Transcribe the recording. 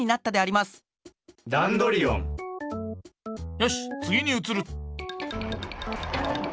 よしつぎにうつる！